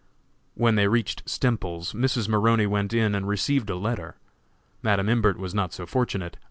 When they reached Stemples's, Mrs. Maroney went in and received a letter. Madam Imbert was not so fortunate.